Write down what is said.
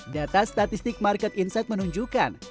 data statistik market insight menunjukkan